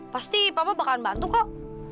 pasti papa bakal bantu kok